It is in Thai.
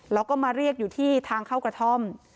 แล้วก็มาเรียกอยู่ที่ทางเข้ากระท่อม